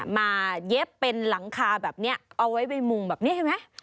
เย็บเป็นหลังคาแบบนี้เอาไว้ไปมุงแบบนี้เห็นไหม